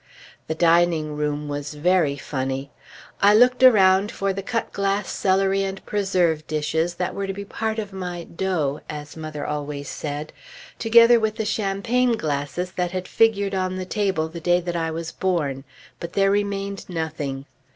The dining room was very funny. I looked around for the cut glass celery and preserve dishes that were to be part of my "dot," as mother always said, together with the champagne glasses that had figured on the table the day that I was born; but there remained nothing.